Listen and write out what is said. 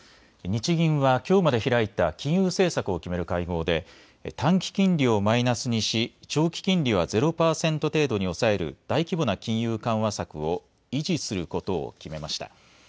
日銀はきょうまで開いた金融政策を決める会合で短期金利をマイナスにし長期金利はゼロ％程度に抑える大規模な金融緩和策を維持することを決めました。